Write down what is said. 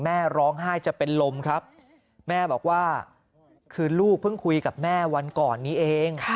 แม่ร้องไห้จะเป็นลมครับแม่บอกว่าคือลูกเพิ่งคุยกับแม่วันก่อนนี้เอง